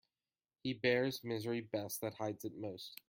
He bears misery best that hides it most.